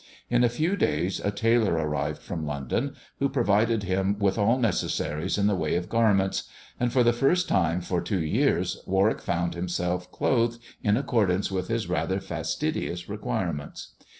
In a few days a tailor arrived from London, who provided . him with all necessaries in the way of garments; and for *| the first time for two years Warwick found himself clothed ■! in accordance with his rather fastidious requirements.